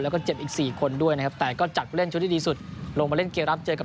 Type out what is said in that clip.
แล้วก็เจ็บอีก๔คนด้วยนะครับแต่ก็จัดผู้เล่นชุดที่ดีสุดลงมาเล่นเกมรับเจอกับ